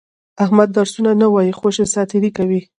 احمد درسونه نه وایي، خوشې ساتېري کوي.